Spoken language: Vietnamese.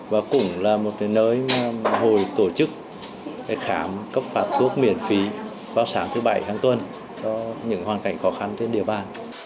và cũng là một nơi hồi tổ chức khám cấp phát thuốc miễn phí vào sáng thứ bảy hàng tuần cho những hoàn cảnh khó khăn trên địa bàn